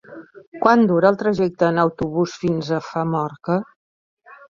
Quant dura el trajecte en autobús fins a Famorca?